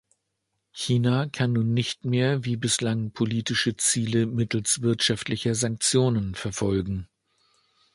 China kann nun nicht mehr wie bislang politische Ziele mittels wirtschaftlicher Sanktionen verfolgen.